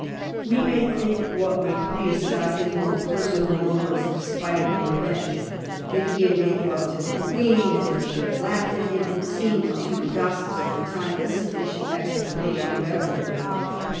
We may think what we 268 CARDINAL DE RICHELIEU please about his more personal motives of spite and revenge: that he had made love to the Queen and that she had laughed at him seemed to the gossips of the time a sufficient explanation of everything.